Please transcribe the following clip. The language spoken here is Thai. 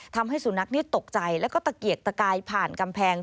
ทำให้สุนัขนี่ตกใจแล้วก็ตะเกียกตะกายผ่านกำแพง